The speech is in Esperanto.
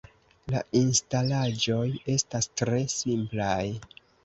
La instalaĵoj estas tre simplaj.